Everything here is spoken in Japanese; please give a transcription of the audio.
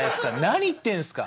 何言ってるんですか！